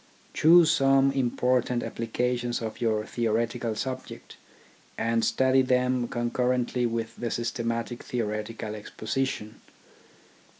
Choose some important appli cations of your theoretical subject; and study them concurrently with the systematic theoretical exposition.